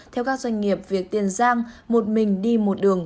theo các doanh nghiệp việc tiền giang một mình đi một đường